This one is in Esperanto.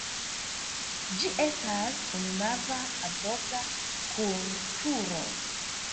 Ĝi estas ununava oblonga kun turo.